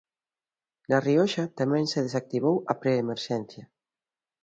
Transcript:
Na Rioxa tamén se desactivou a preemerxencia.